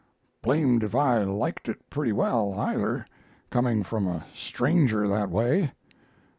Blamed if I liked it pretty well, either, coming from a stranger that way.